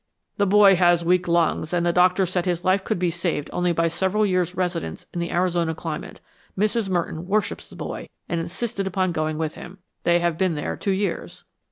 "The boy has weak lungs and the doctors said his life could be saved only by several years' residence in the Arizona climate. Mrs. Merton worships the boy and insisted upon going with him. They have been there two years."